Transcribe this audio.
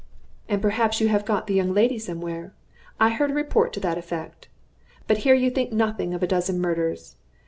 "And perhaps you have got the young lady somewhere. I heard a report to that effect. But here you think nothing of a dozen murders.